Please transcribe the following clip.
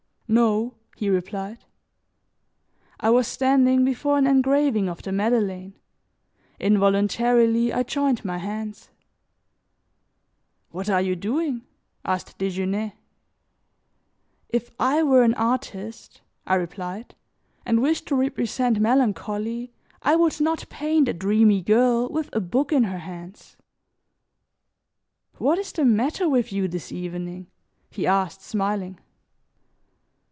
"No," he replied. I was standing before an engraving of the Madeleine. Involuntarily I joined my hands. "What are you doing?" asked Desgenais. "If I were an artist," I replied, "and wished to represent Melancholy, I would not paint a dreamy girl with a book in her hands." "What is the matter with you this evening?" he asked, smiling.